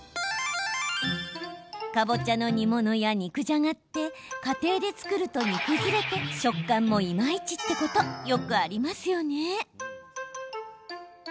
かぼちゃの煮物や肉じゃがって家庭で作ると煮崩れて食感もいまいちってことよくありますよね。